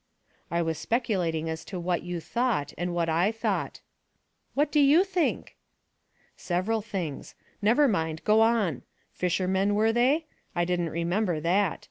" I was speculating as to what you thought, and what I thought." "What do you think?" " Several things. Never mind ; go on. Fish ermen, were they ? I didn't remember that.